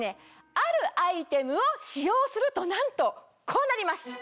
あるアイテムを使用するとなんとこうなります。